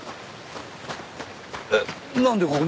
えっなんでここに？